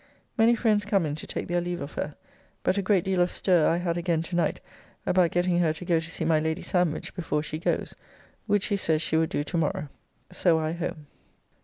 Many friends come in to take their leave of her, but a great deal of stir I had again tonight about getting her to go to see my Lady Sandwich before she goes, which she says she will do tomorrow. So I home.